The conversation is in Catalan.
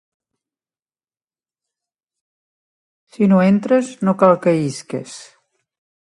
Si no entres, no cal que isques.